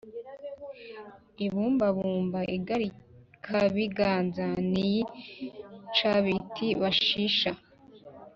ibumbabumba igarikabiganza ni iyi nshabiti bashisha,